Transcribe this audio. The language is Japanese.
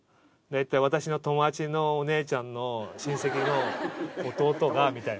だいたい私の友達のお姉ちゃんの親戚の弟がみたいな。